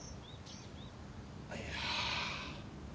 あっいや。